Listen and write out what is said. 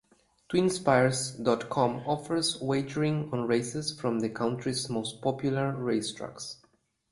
TwinSpires dot com offers wagering on races from the country's most popular racetracks.